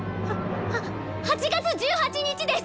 はっ８月１８日です！